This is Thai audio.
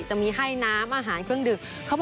จะมีให้น้ำอาหารเครื่องดื่ม